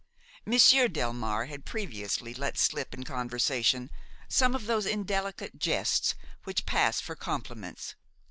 Monsieur Delmare had previously let slip in conversation some of those indelicate jests which pass for compliments.